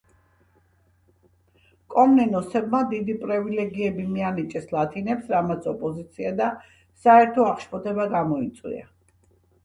კომნენოსებმა დიდი პრივილეგიები მიანიჭეს ლათინებს, რამაც ოპოზიცია და საერთო აღშფოთება გამოიწვია.